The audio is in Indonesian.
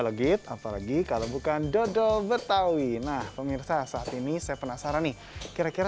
legit apalagi kalau bukan dodol betawi nah pemirsa saat ini saya penasaran nih kira kira